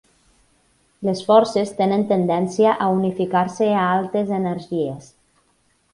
Les forces tenen tendència a unificar-se a altes energies.